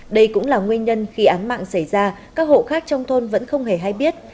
đây cũng là nguyên nhân khi ám mạng xảy ra các hộ khác trong thôn vẫn không hề hay biết